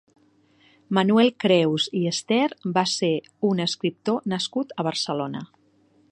Manuel Creus i Esther va ser un escriptor nascut a Barcelona.